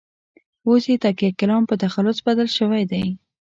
اوس یې تکیه کلام په تخلص بدل شوی دی.